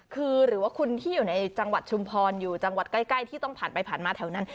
คือหรือว่าคุณที่อยู่ในจังหวัดชุมพรอยู่จังหวัดใกล้ที่ต้องผ่านไปผ่านมาแถวนั้น